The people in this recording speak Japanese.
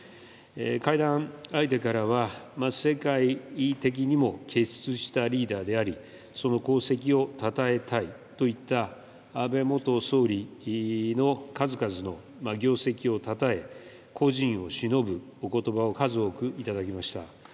会談相手からは、世界的にも傑出したリーダーであり、その功績をたたえたいといった安倍元総理の数々の業績をたたえ、故人をしのぶおことばを数多く頂きました。